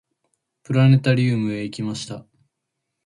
プラネタリウムへ行きました。